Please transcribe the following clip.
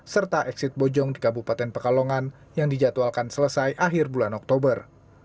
serta exit bojong di kabupaten pekalongan yang dijadwalkan selesai akhir bulan oktober